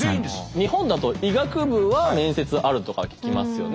日本だと医学部は面接あるとかは聞きますよね。